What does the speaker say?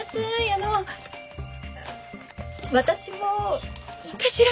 あの私もいいかしら。